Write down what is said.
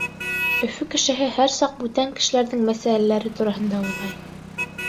Өфө кешеһе һәр саҡ бүтән кешеләрҙең мәсьәләләре тураһында уйлай.